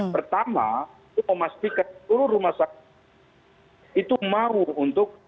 pertama itu memastikan seluruh rumah sakit itu mau untuk